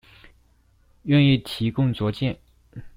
願意提供卓見